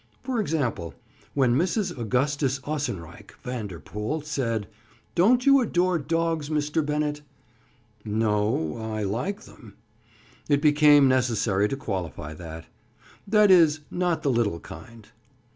For example, when Mrs. Augustus Ossenreich Vanderpool said: "Don't you adore dogs, Mr. Bennett?" "No. I like them." It became necessary to qualify that. "That is—not the little kind."